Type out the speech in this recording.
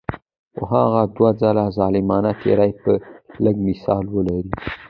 خو هغه دوه ځله ظالمانه تیری به لږ مثال ولري.